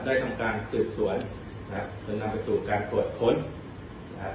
ได้ทำการสืบสวนนะครับจนนำไปสู่การปลดค้นนะครับ